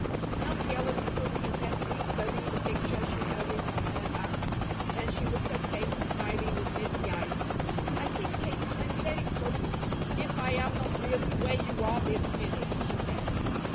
Nancy Ellen stood intently studying the picture she held in her hand. Then she looked at Kate, smiling with misty eyes: "I think, Kate, I'm very close, if I am not really where you are this minute," she said.